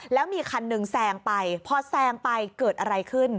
แล้วมีคันหนึ่งแซงไปพอแซงไปเกิดอะไรขึ้น